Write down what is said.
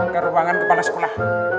ke ruangan kepala sekolah